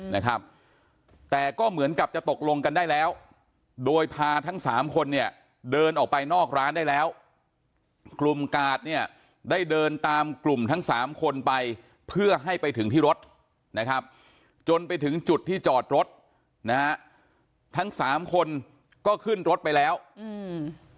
นะครับแต่ก็เหมือนกับจะตกลงกันได้แล้วโดยพาทั้งสามคนเนี่ยเดินออกไปนอกร้านได้แล้วกลุ่มกาดเนี่ยได้เดินตามกลุ่มทั้งสามคนไปเพื่อให้ไปถึงที่รถนะครับจนไปถึงจุดที่จอดรถนะฮะทั้งสามคนก็ขึ้นรถไปแล้วอืม